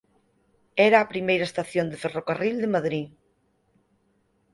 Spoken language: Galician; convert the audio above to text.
Era a primeira estación de ferrocarril de Madrid.